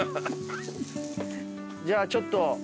じゃあちょっと。